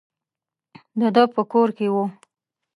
د ده په کور کې وو.